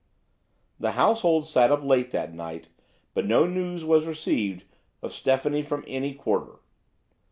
The household sat up late that night, but no news was received of Stephanie from any quarter.